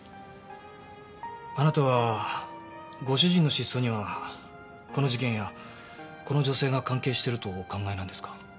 あなたはご主人の失踪にはこの事件やこの女性が関係してるとお考えなんですか？